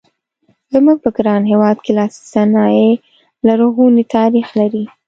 زموږ په ګران هېواد کې لاسي صنایع لرغونی تاریخ لري.